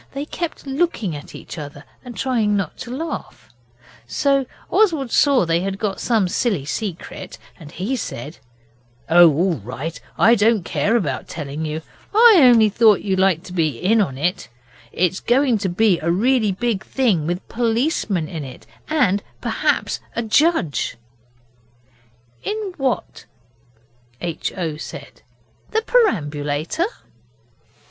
They kept looking at each other and trying not to laugh, so Oswald saw they had got some silly secret and he said 'Oh, all right! I don't care about telling you. I only thought you'd like to be in it. It's going to be a really big thing, with policemen in it, and perhaps a judge.' 'In what?' H. O. said; 'the perambulator?